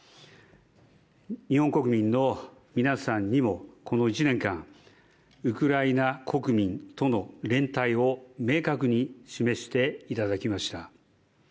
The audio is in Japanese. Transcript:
日本国民の皆さんにも、この１年間、ウクライナ国民との連帯を明確に示していただきました。